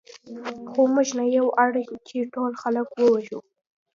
خو موږ نه یو اړ چې ټول خلک ووژنو